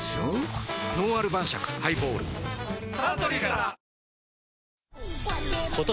「のんある晩酌ハイボール」サントリーから！